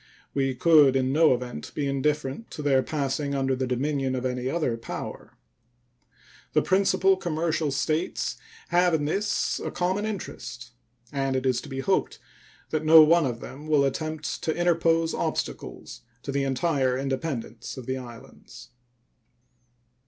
We could in no event be indifferent to their passing under the dominion of any other power. The principal commercial states have in this a common interest, and it is to be hoped that no one of them will attempt to interpose obstacles to the entire independence of the islands.